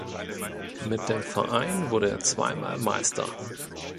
Mit dem Verein wurde er zweimal Meister.